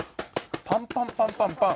パンパンパンパンパン。